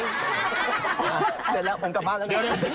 เสร็จแล้วผมกลับบ้านแล้วนะ